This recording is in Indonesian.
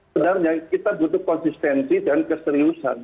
sebenarnya kita butuh konsistensi dan keseriusan